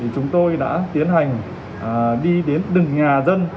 chúng tôi đã tiến hành đi đến từng nhà dân